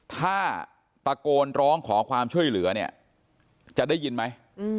ถ้าตะโกนร้องขอความช่วยเหลือเนี่ยจะได้ยินไหม